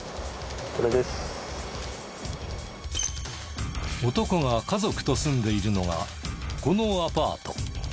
男が家族と住んでいるのがこのアパート。